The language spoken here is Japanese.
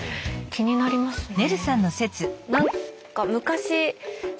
気になりますね。